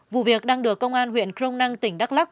vụ việc đang được công an huyện crom năng tỉnh đắk lắc